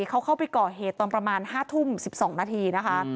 เขาเข้าไปก่อเหตุตอนประมาณ๕ทุ่ม๑๒นาทีนะคะ